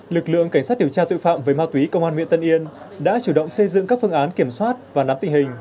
lực lượng cảnh sát điều tra tội phạm về ma túy công an huyện tân yên đã chủ động xây dựng các phương án kiểm soát và nắm tình hình